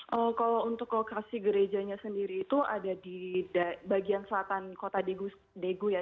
kalau untuk lokasi gerejanya sendiri itu ada di bagian selatan kota diego ya